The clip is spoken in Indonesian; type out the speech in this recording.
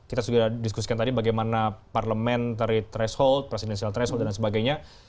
terlepas dari perdebatan yang terjadi memang kita sudah diskusikan tadi bagaimana parliamentary threshold presidenial threshold dan sebagainya